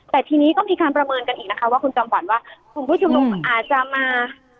แต่ทีนี้ก็มีการประเมินกันอีกนะคะว่าคุณจำขวัญว่ากลุ่มผู้ชุมนุมอาจจะมา